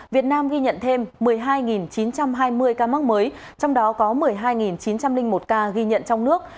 việt nam ghi nhận thêm một mươi hai chín trăm hai mươi ca mắc mới trong đó có một mươi hai chín trăm linh một ca ghi nhận trong nước